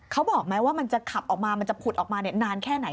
เขาบอกไหมว่ามันจะขับออกมามันจะผุดออกมานานแค่ไหน